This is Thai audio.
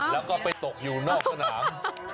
แล้วก็ไปตกอยู่นอกสนาม